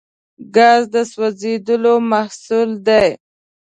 ګاز د سوځیدلو محصول دی.